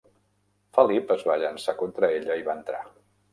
Felip es va llançar contra ella i va entrar.